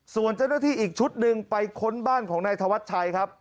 ส่วนเจ้าหน้าที่อีกชุดหนึ่งไปค้นบ้านของนายธวัชชัยครับ